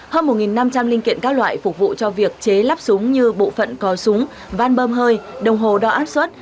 hơn một năm trăm linh linh kiện các loại phục vụ cho việc chế lắp súng như bộ phận cò súng van bơm hơi đồng hồ đo áp suất